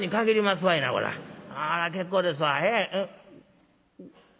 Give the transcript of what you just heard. あら結構ですわ」。